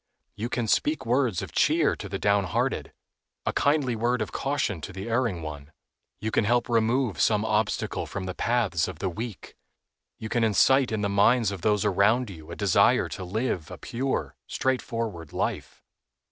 You can speak words of cheer to the downhearted, a kindly word of caution to the erring one. You can help remove some obstacle from the paths of the weak. You can incite in the minds of those around you a desire to live a pure, straightforward life.